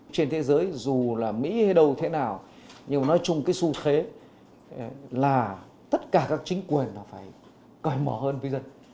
trên thế giới dù là mỹ hay đâu thế nào nhưng mà nói chung cái xu thế là tất cả các chính quyền phải cởi mở hơn với dân